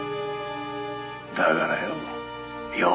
「だからよ